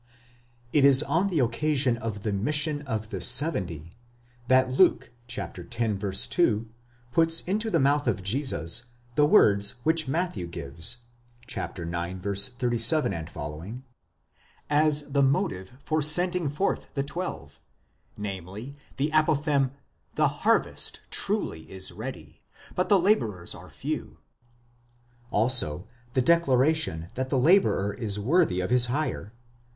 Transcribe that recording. It is on the occasion of the mission of the seventy, that Luke (x. 2) puts into the mouth of Jesus the words which Matthew gives (ix. 37 f.) as the motive for sending forth the twelve, namely, the apothegm, Zhe Aarvest truly is ready, but the labourers are few; also the declaration that the labourer is worthy of his hire (v.